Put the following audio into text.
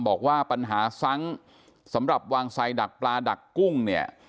บอกว่าปัญหาซ้ำสำหรับวางไซดักปลาดักกุ้งเนี่ย